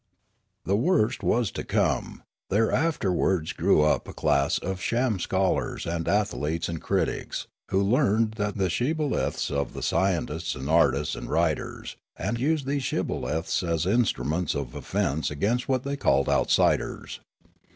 " The worst was to come ; there afterwards grew up a class of sham scholars and aesthetes and critics who learned the shibboleths of the scientists and artists and writers, and used these shibboleths as instrments of offence against what they called outsiders.